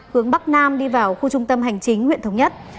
hướng bắc nam đi vào khu trung tâm hành chính huyện thống nhất